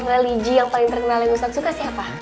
novel religi yang paling terkenal ustaz suka siapa